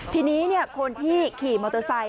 ทีนี้เนี่ยคนที่ขี่มอเตอร์ไซด์